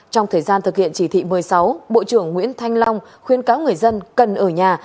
trong thời gian thực hiện chỉ thị một mươi sáu bộ trưởng nguyễn thanh long khuyên cáo người dân cần ở nhà